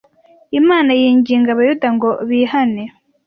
Imana yinginga Abayuda ngo bihane